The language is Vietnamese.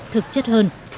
thực chất hơn